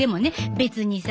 別にさ